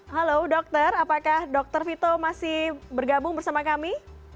halo dokter apakah dokter vito masih bergabung bersama kami